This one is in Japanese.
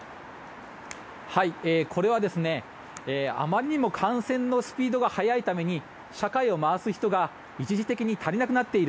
これは、あまりにも感染のスピードが速いために社会を回す人が一時的に足りなくなっている。